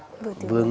vừa tiểu đường